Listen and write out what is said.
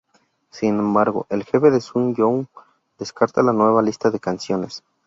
Sin embargo el jefe de sun-young descarta la nueva lista de canciones.